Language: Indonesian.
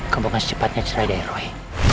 kamu akan secepatnya cerai dari roy